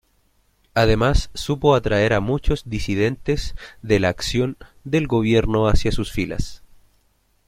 Además, supo atraer a muchos disidentes de la acción del Gobierno hacia sus filas.